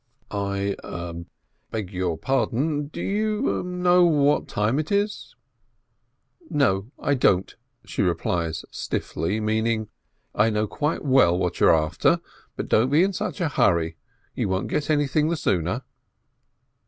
"I beg your pardon, do you know what time it is?" "No, I don't," she replies stiffly, meaning, "I know quite well what you are after, but don't be in such a hurry, you won't get anything the sooner."